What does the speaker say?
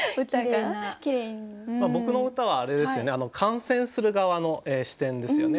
僕の歌はあれですよね観戦する側の視点ですよね。